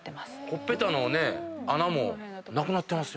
ほっぺたの穴もなくなってます。